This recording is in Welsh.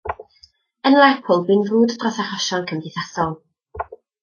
Yn Lerpwl bu'n frwd dros achosion cymdeithasol.